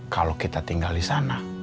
kalau kita tinggal di sana